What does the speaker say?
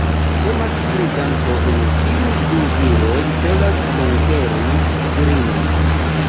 Temas pri danco en kiu du viroj celas konkeri virinon.